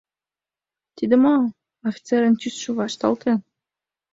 — Тиде мо? — офицерын тӱсшӧ вашталте.